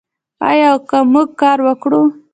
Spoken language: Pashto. آیا او که موږ کار وکړو؟